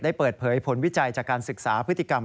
เปิดเผยผลวิจัยจากการศึกษาพฤติกรรม